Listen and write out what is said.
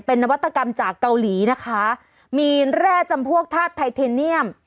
เป็นนวัตกรรมจากเกาหลีนะคะมีแร่จำพวกธาตุไทเทเนียม